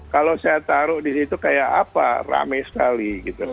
kalau saya taruh di situ kayak apa rame sekali